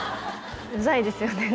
ウザいですよね